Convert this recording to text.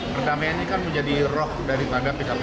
perdamaian ini kan menjadi roh daripada pkpu